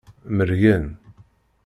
Mergen.